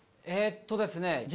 えっとですね。